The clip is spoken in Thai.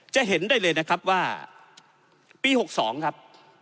จะเห็นได้เลยนะครับว่าปี๖๒ครับ